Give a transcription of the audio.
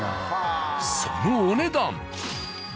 そのお値段。